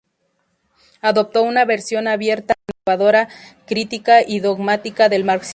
Adoptó una versión abierta, renovadora, crítica y no dogmática del marxismo.